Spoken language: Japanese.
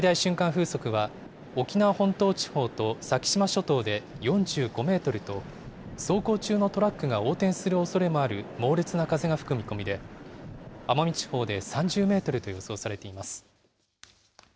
風速は沖縄本島地方と先島諸島で４５メートルと、走行中のトラックが横転するおそれもある猛烈な風が吹く見込みで、奄美地方で３０メートルと予想されています。